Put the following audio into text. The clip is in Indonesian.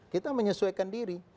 kita menyesuaikan diri